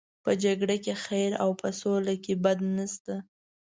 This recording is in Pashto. په جګړه کې خیر او په سوله کې بد نشته.